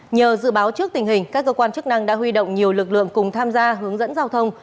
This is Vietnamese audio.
nhờ dự báo trước tình hình các cơ quan chức năng đã huy động nhiều lực lượng cùng tham gia hướng dẫn giao thông